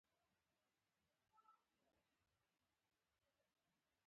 د یو چا په اړه ښه ګمان لرل لوی عمل دی.